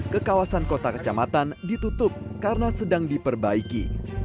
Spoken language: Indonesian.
ke kawasan kota kecamatan ditutup karena sedang diperbaiki